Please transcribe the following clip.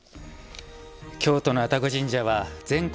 京都の愛宕神社は全国